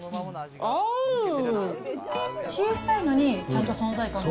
小さいのにちゃんと存在感がある。